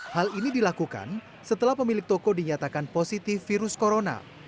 hal ini dilakukan setelah pemilik toko dinyatakan positif virus corona